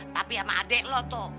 tapi sama adik lo tuh